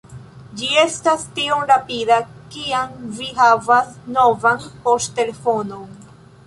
Ĝi estas tiom rapida kiam vi havas novan poŝtelefonon